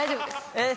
えっ！